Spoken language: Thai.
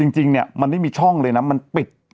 จริงเนี่ยมันไม่มีช่องเลยนะมันปิด